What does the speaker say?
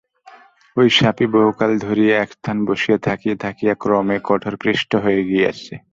ঐ সাপই বহুকাল ধরিয়া একস্থানে বসিয়া থাকিয়া ক্রমে কঠোরপৃষ্ট হইয়া গিয়াছে।